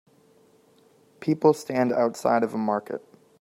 People stand outside of a market.